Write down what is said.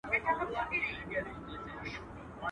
د بېعقل جواب سکوت دئ.